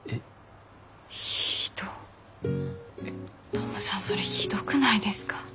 トムさんそれひどくないですか？